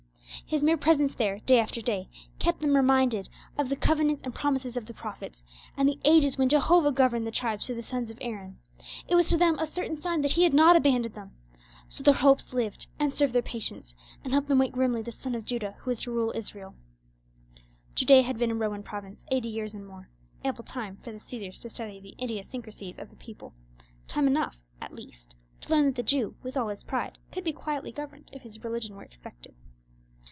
His mere presence there day after day kept them reminded of the covenants and promises of the prophets, and the ages when Jehovah governed the tribes through the sons of Aaron; it was to them a certain sign that he had not abandoned them: so their hopes lived, and served their patience, and helped them wait grimly the son of Judah who was to rule Israel. Judea had been a Roman province eighty years and more—ample time for the Caesars to study the idiosyncrasies of the people—time enough, at least, to learn that the Jew, with all his pride, could be quietly governed if his religion were respected.